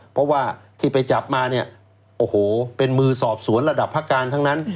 เพราะว่าที่ไปจับมาเนี่ยโอ้โหเป็นมือสอบสวนระดับพระการทั้งนั้น